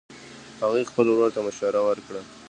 هغې خپل ورور ته مشوره ورکړه